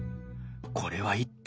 これは一体？